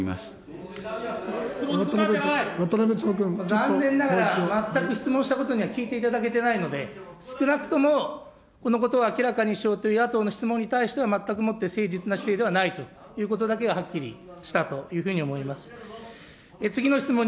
残念ながら全く質問したことには聞いていただけてないので、少なくともこのことを明らかにしようとする野党の質問に、全くもって誠実な姿勢ではないということだけははっきりしたというふうに思います。